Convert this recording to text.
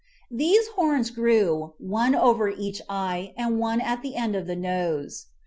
These horns grew, one over each eye and one on the end of the nose.